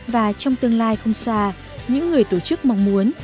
và trong tương lai không xa những người tổ chức mong muốn